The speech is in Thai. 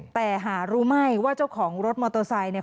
แต่หารู้ไหมว่าเจ้าของรถมอเตอร์ไซค์เนี่ย